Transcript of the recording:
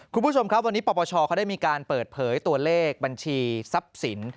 คุณผู้ชมครับวันนี้ปปชเขาได้มีการเปิดเผยตัวเลขบัญชีทรัพย์สิน